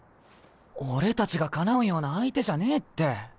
俺たちがかなうような相手じゃねえって。